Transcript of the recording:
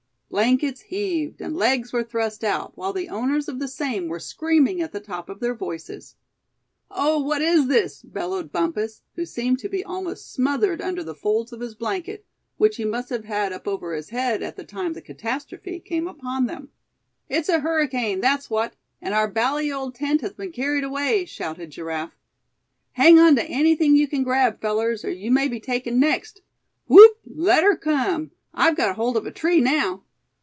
Blankets heaved, and legs were thrust out, while the owners of the same were screaming at the top of their voices. "Oh! what is this?" bellowed Bumpus, who seemed to be almost smothered under the folds of his blanket, which he must have had up over his head at the time the catastrophe came upon them. "It's a hurricane, that's what, and our bally old tent has been carried away!" shouted Giraffe. "Hang on to anything you can grab, fellers, or you may be taken next! Whoop! let her come! I've got hold of a tree now!"